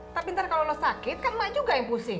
tapi ntar kalau lo sakit kan banyak juga yang pusing